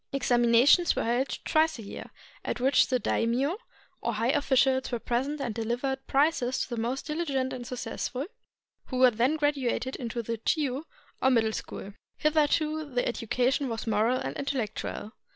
Examinations were held twice a year, at which the daimio or high officials were present and dehvered prizes to the most diligent and successful, who were then graduated into the Chiu, or Middle School. Hitherto the education was moral and intellectual.